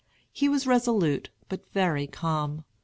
He was resolute, but very calm.